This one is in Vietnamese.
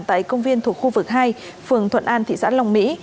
tại công viên thuộc khu vực hai phường thuận an thị xã long mỹ